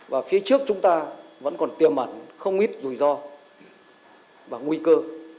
và phía trước chúng ta vẫn còn tiềm ẩn không ít rủi ro và nguy cơ